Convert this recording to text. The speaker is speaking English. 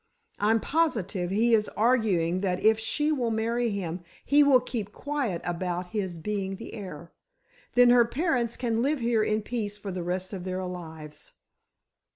I'm positive he is arguing that if she will marry him he will keep quiet about his being the heir. Then, her parents can live here in peace for the rest of their lives."